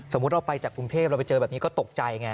เราไปจากกรุงเทพเราไปเจอแบบนี้ก็ตกใจไง